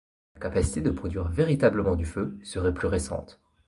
La capacité de produire véritablement du feu serait plus récente.